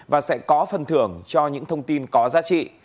và sẽ có phần thưởng cho những thông tin có giá trị